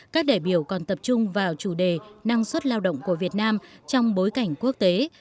các đại biểu còn tập trung vào chủ đề năng suất lao động của việt nam trong bối cảnh quốc tế